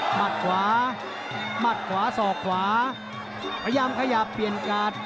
มัดขวามัดขวาสอกขวาพยายามขยับเปลี่ยนการ์ด